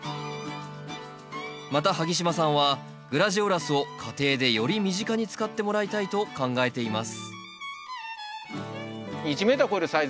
また萩島さんはグラジオラスを家庭でより身近に使ってもらいたいと考えています